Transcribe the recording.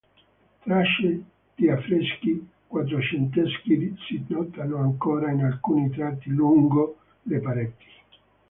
Tracce di affreschi quattrocenteschi si notano ancora in alcuni tratti lungo le pareti.